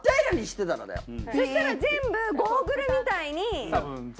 そしたら全部ゴーグルみたいに。